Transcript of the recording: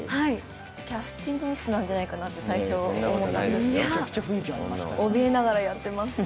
キャスティングミスなんじゃなかなと最初思ったんですよね。